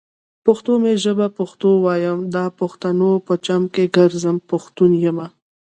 پښتو می ژبه پښتو وايم، دا پښتنو په چم کې ګرځم ، پښتون يمه